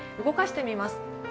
動かしてみます。